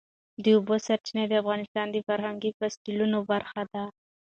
د اوبو سرچینې د افغانستان د فرهنګي فستیوالونو برخه ده.